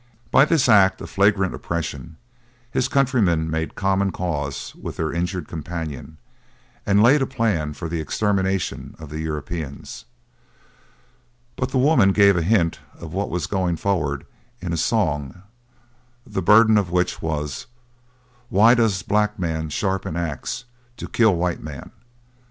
By this act of flagrant oppression his countrymen made common cause with their injured companion, and laid a plan for the extermination of the Europeans; but the women gave a hint of what was going forward in a song, the burden of which was, 'Why does black man sharpen axe? to kill white man.'